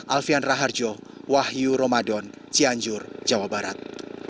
alfian raharjo wahyu ramadan cianjur jawa barat